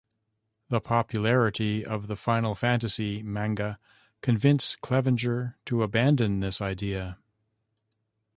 The popularity of the "Final Fantasy" manga convinced Clevinger to abandon this idea.